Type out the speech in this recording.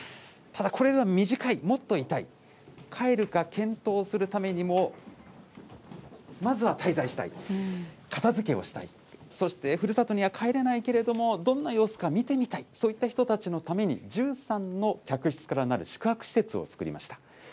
ただこれが短い、もっといたい、帰るか検討するためにも、まずは滞在したい、片づけをしたい、そしてふるさとには帰れないけれども、どんな様子か見てみたい、そういった人たちのために１３の客室からなる宿泊施設を作りました。